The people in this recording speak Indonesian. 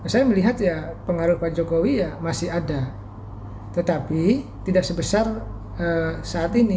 saya melihat ya pengaruh pak jokowi ya masih ada tetapi tidak sebesar saat ini